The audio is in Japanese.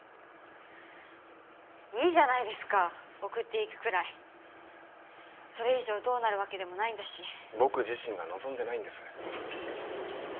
いいじゃないですか送っていくくらいそれ以上どうなるわけでもないんだし僕自身が望んでないんです